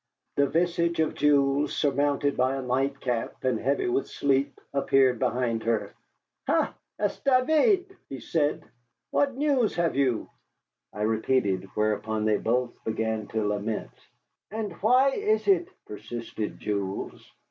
The visage of Jules, surmounted by a nightcap and heavy with sleep, appeared behind her. "Ha, e'est Daveed!" he said. "What news have you?" I repeated, whereupon they both began to lament. "And why is it?" persisted Jules.